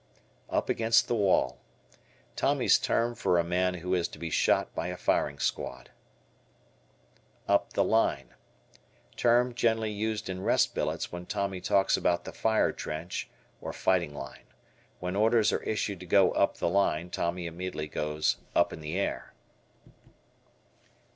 U "Up against the wall." Tommy's term for a man who is to be shot by a firing squad. "Up the line." Term generally used in rest billets when Tommy talks about the fire trench or fighting line. When orders are issued to go "up the line" Tommy immediately goes "up in the air."